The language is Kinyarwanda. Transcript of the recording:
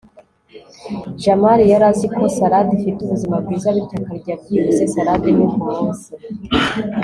jamali yari azi ko salade ifite ubuzima bwiza, bityo akarya byibuze salade imwe kumunsi